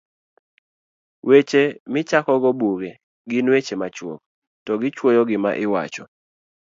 Weche Michakogo Buge gin weche machuok to gichuoyo gima iwacho